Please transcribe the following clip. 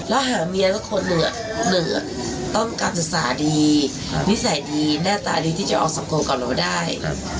แล้วหาเมียสักคนหนึ่งเหลือต้องการศึกษาดีนิสัยดีหน้าตาดีที่จะออกสังคมกับเราได้